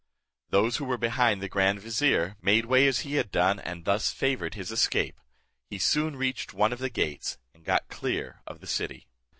Those who were behind the grand vizier, made way as he had done, and thus favoured his escape He soon reached one of the gates, and got clear of the city.